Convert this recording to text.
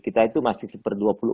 kita itu masih satu per dua puluh empat